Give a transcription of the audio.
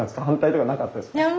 反対とかなかったですか？